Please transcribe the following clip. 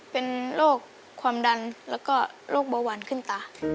เป็นโรคความดันแล้วก็โรคเบาหวานขึ้นตา